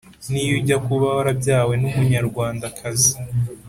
niyo ujya kuba warabyawe n'umunyarwandakazi